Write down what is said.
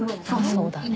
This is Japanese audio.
そうだね。